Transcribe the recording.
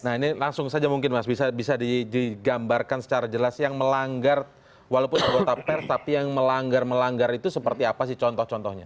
nah ini langsung saja mungkin mas bisa digambarkan secara jelas yang melanggar walaupun anggota pers tapi yang melanggar melanggar itu seperti apa sih contoh contohnya